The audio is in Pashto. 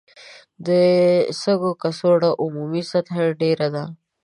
د سږو کڅوړو عمومي سطحه ډېره ده.